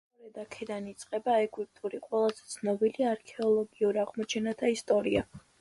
სწორედ აქედან იწყება ეგვიპტური ყველაზე ცნობილი არქეოლოგიურ აღმოჩენათა ისტორია.